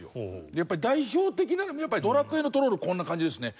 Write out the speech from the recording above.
やっぱり代表的なのが『ドラクエ』のトロールこんな感じですね。